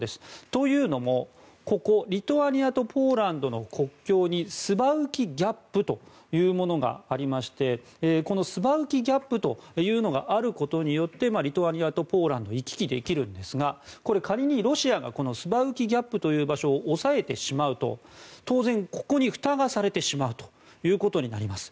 というのもここリトアニアとポーランドの国境にスバウキ・ギャップというものがありましてこのスバウキ・ギャップというのがあることによってリトアニアとポーランドを行き来できるんですがこれ、仮にロシアがスバウキ・ギャップという場所を押さえてしまうと当然、ここにふたがされてしまうことになります。